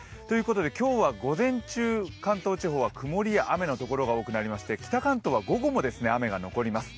今日は午前中、関東地方は曇りや雨の所が多くなりまして北関東は午後も雨が残ります。